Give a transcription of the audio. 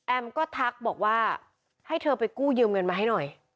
ก็ทักบอกว่าให้เธอไปกู้ยืมเงินมาให้หน่อย